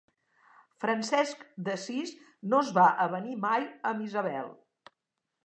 Francesc d'Assís no es va avenir mai amb Isabel.